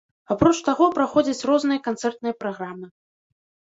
Апроч таго, праходзяць розныя канцэртныя праграмы.